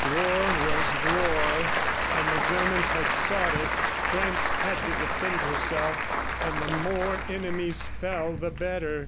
War was war, and the Germans had sought it. France had to defend herself, and the more enemies fell the better.